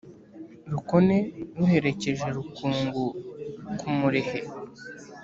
Rukone ruherekeje rukungu ku Murehe